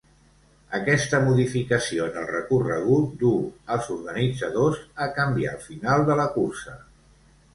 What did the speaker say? Aquesta modificació en el recorregut duu als organitzadors a canviar el final de la cursa.